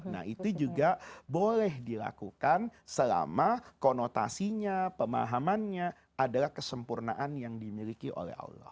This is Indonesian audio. nah itu juga boleh dilakukan selama konotasinya pemahamannya adalah kesempurnaan yang dimiliki oleh allah